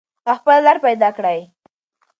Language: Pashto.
او خپله لار پیدا کړئ.